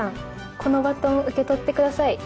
このバトン受け取って下さい。